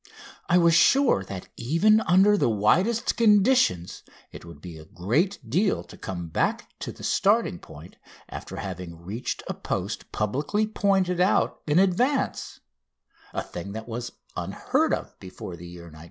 I was sure that even under the widest conditions it would be a great deal to come back to the starting point after having reached a post publicly pointed out in advance a thing that was unheard of before the year 1901.